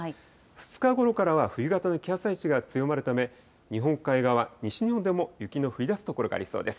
２日ごろからは冬型の気圧配置が強まるため、日本海側、西日本でも雪の降りだす所がありそうです。